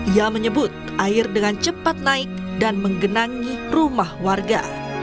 ia menyebut air dengan cepat naik dan menggenangi rumah warga